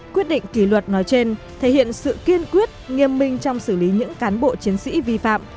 quyết định kỷ luật nói trên thể hiện sự kiên quyết nghiêm minh trong xử lý những cán bộ chiến sĩ vi phạm